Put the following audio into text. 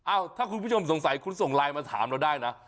ถ้าคุณผู้ชมสงสัยคุณส่งไลน์มาถามเราได้นะ